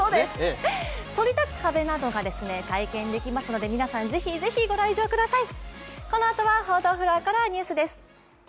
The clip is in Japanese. そり立つ壁が体験できますので皆さんぜひぜひご来場ください。